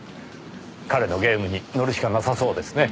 彼のゲームに乗るしかなさそうですね。